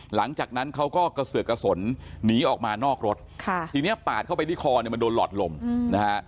หลังจากนั้นเขาก็กระเสือกกระสนหนีออกมานอกรถค่ะทีนี้ปาดเข้าไปที่คอเนี่ยมันโดนหลอดลมนะฮะ